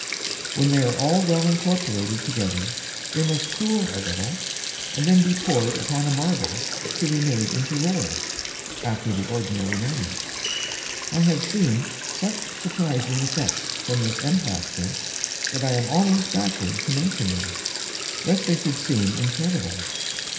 When they are all well incorporated together, they must cool a little, and then be poured upon a Marble to be made into Rolls, after the ordinary Manner. I have seen such surprizing Effects from this Emplaister, that I am almost backward to mention them, lest they should seem incredible.